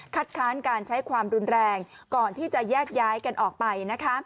ค้านการใช้ความรุนแรงก่อนที่จะแยกย้ายกันออกไปนะคะ